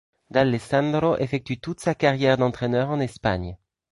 D'Alessandro effectue toute sa carrière d'entraîneur en Espagne.